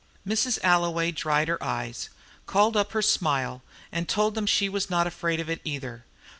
Mrs. Alloway dried her eyes, called up her smile, and told them she was not afraid of it either.